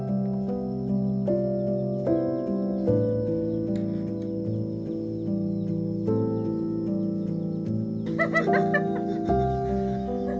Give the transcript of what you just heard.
amrizal membuatkan pecahan terakhir